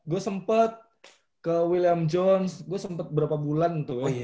gue sempet ke william jones gue sempet berapa bulan tuh